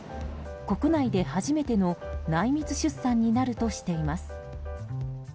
国内で初めての内密出産になるとしています。